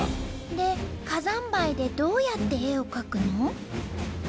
で火山灰でどうやって絵を描くの？